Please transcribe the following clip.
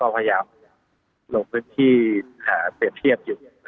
พยายามลงพื้นที่หาเปรียบเทียบอยู่